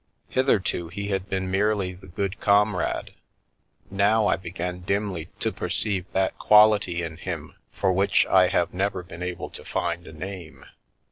Hitherto he had been merely the good comrade, now I began dimly to perceive that quality in him for which I have never been able to find a name.